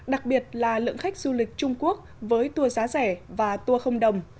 đặc biệt là lượng khách du lịch trung quốc với tour giá rẻ và tour không đồng